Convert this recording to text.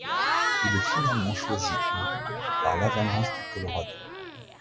Il est finalement choisi au par l'Avalanche du Colorado.